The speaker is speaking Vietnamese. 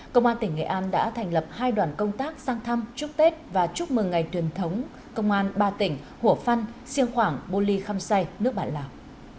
công an tỉnh nghệ an đã thành lập hai đoàn công tác sang thăm chúc tết và chúc mừng ngày tuyển thống công an ba tỉnh hủa phăn siêng khoảng bô ly khăm say nước bản lào